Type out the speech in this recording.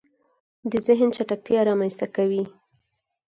د زهن چټکتیا رامنځته کوي